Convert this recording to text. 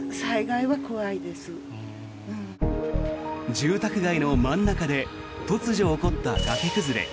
住宅街の真ん中で突如起こった崖崩れ。